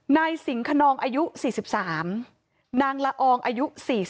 นายสิงคนนองอายุ๔๓นางละอองอายุ๔๐